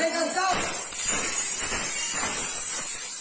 มันยังไม่เป็นพันทือ